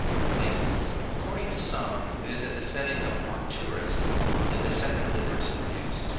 their places : according to some, it is at the setting 28 of Areturus that the second litter is produced.